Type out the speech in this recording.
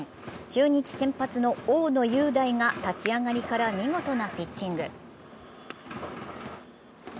中日先発の大野雄大が立ち上がりから見事なピッチング。